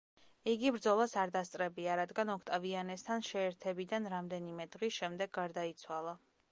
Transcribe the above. იგი ბრძოლას არ დასწრებია, რადგან ოქტავიანესთან შეერთებიდან რამდენიმე დღის შემდეგ გარდაიცვალა.